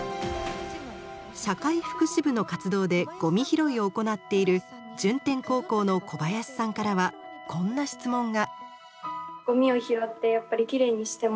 社会福祉部の活動でゴミ拾いを行っている順天高校の小林さんからはこんな質問が。